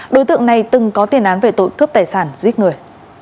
đối tượng này từng có tiền án về tội cướp tài sản giết người